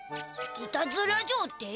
いたずら城って？